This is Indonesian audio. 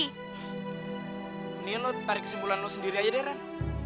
ini lo tarik kesimpulan lo sendiri aja deh ran